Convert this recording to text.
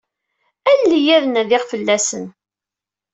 Alel-iyi ad nadiɣ fell-asen.